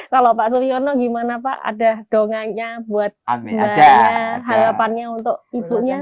kalau pak suryono gimana pak ada dongannya buat gimana harapannya untuk ibunya